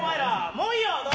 もういいよ！